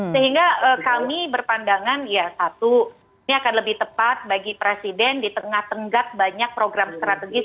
sehingga kami berpandangan ya satu ini akan lebih tepat bagi presiden di tengah tengah banyak program strategis